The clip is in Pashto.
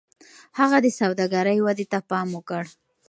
هغه د سوداګرۍ ودې ته پام وکړ.